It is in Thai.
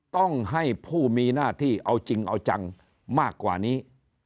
ต้องให้ผู้มีหน้าที่เอาจริงเอาจังมากกว่านี้